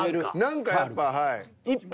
何かやっぱはい。